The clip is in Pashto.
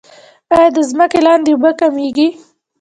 آیا د ځمکې لاندې اوبه کمیږي؟